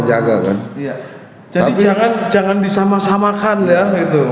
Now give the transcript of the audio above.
jadi jangan disamasamakan ya gitu